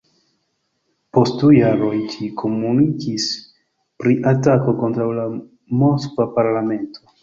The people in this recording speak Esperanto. Post du jaroj ĝi komunikis pri atako kontraŭ la moskva parlamento.